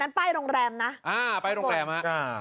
อันนั้นป้ายโรงแรมนะ